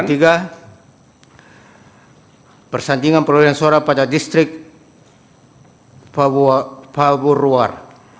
pertiga persandingan perlindungan suara pada distrik fawur ruar